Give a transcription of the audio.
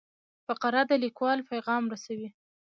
فقره د لیکوال پیغام رسوي.